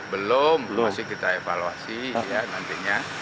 belum belum masih kita evaluasi ya nantinya